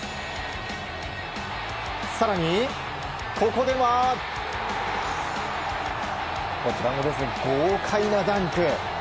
更に、ここでは豪快なダンク。